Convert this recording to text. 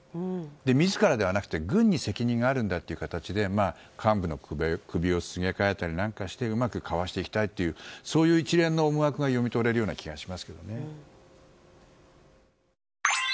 自らではなく軍に責任があるんだという形で幹部の首をすげ替えたりしてうまくかわしていきたいという一連の思惑が見える気がします。